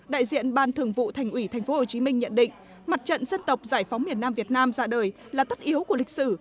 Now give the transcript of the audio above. đại diện ban thường vụ thành ủy tp hcm nhận định mặt trận dân tộc giải phóng miền nam việt nam ra đời là tất yếu của lịch sử